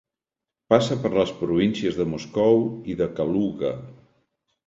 Passa per les províncies de Moscou i de Kaluga.